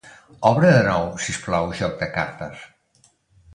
Obre de nou, si us plau, "Joc de cartes".